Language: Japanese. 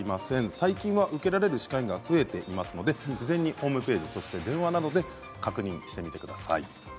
最近は受けられる歯科医院が増えていますので事前にホームページ電話などで確認してみてください。